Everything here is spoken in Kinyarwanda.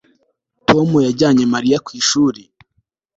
Tom yajyanye Mariya ku ishuri